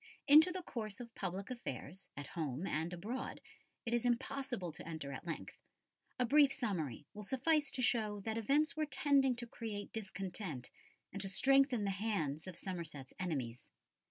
Into the course of public affairs, at home and abroad, it is impossible to enter at length; a brief summary will suffice to show that events were tending to create discontent and to strengthen the hands of Somerset's enemies.